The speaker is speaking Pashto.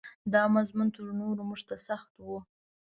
دا مضمون تر نورو موږ ته سخت و.